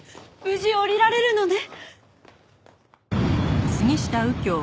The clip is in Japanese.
無事降りられるのね！